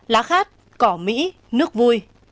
lá khát cỏ mỹ nước vui